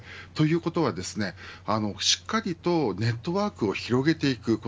ということはしっかりとネットワークを広げていく。